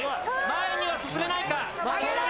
前には進めないか！？上げろ！